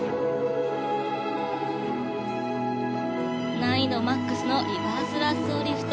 難易度マックスのリバースラッソーリフト。